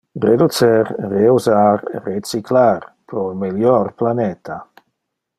Reducer, reusar, recyclar pro un melior planeta.